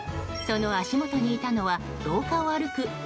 その足元にいたのは廊下を歩く